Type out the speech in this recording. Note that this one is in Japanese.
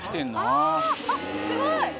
ああすごい。